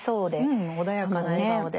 うん穏やかな笑顔で。